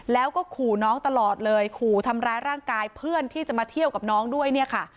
แล้วก็ขู่น้องตลอดเลยขู่ทำร้ายร่างกายเพื่อนที่จะมาเที่ยวกับน้องด้วยเนี่ยค่ะ